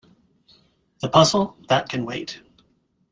The puzzle — that can wait.